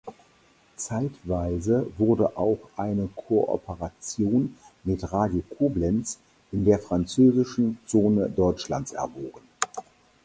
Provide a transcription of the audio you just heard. Zeitweise wurde auch eine Kooperation mit Radio Koblenz in der französischen Zone Deutschlands erwogen.